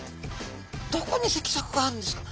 どこに脊索があるんですか？